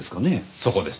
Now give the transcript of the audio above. そこです。